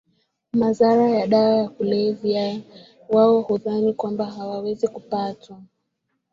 madhara ya dawa za kulevya Wao hudhani kwamba hawawezi kupatwa